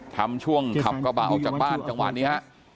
ทำช่วงขับกระบะออกจากบ้านจังหวะนี้ฮะ